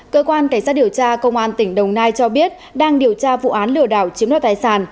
cơ quan cảnh sát điều tra công an tỉnh đồng nai cho biết đang điều tra vụ án lừa đảo chiếm đoạt tài sản